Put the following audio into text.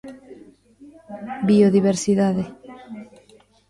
Biodiversidade.